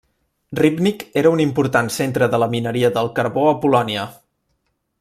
Rybnik era un important centre de la mineria del carbó a Polònia.